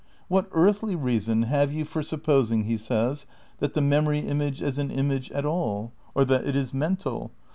What earthly reason have you for supposing, he says, that the memory image is an image at all? Or that it is mental?